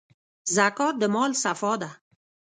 زکات د مال صفا ده.